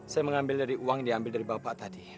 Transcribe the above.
saya mengambil dari uang yang diambil dari bapak tadi